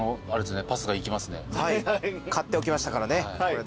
買っておきましたからね。